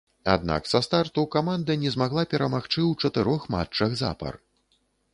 Аднак са старту каманда не змагла перамагчы ў чатырох матчах запар.